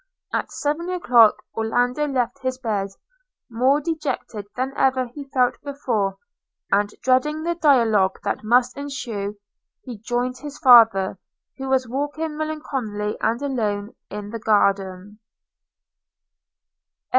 At seven o'clock Orlando left his bed, more dejected than ever he felt before; and dreading the dialogue that must ensue, he joined his father, who was walking, melancholy and alone, in the garden.